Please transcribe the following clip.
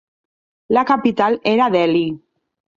La capital era Delhi.